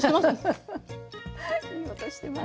ハハハいい音してます。